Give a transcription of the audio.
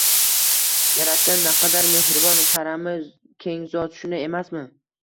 Yaratgan naqadar Mehribon, karami keng Zot! Shunday emasmi?